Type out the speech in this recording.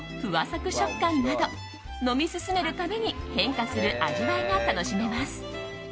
サク食感など飲み進めるたびに変化する味わいが楽しめます。